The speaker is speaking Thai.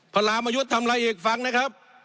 พระรามยุทธรรมรายเอกฟังนะครับ